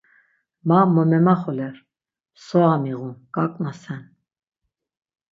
Ma mo memaxoler, msora miğun, gaǩnasen.